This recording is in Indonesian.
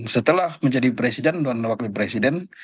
setelah menjadi presiden dan wakil presiden